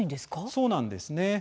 そうなんですね。